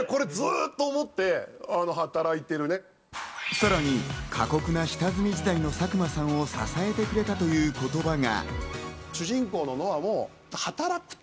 さらに過酷な下積み時代の佐久間さんを支えてくれたという言葉が。